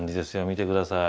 見てください。